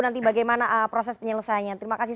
nanti bagaimana proses penyelesaiannya terima kasih